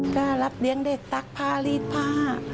ก็รับเลี้ยงเด็กซักผ้ารีดผ้า